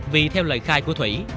vì theo lời khai của thủy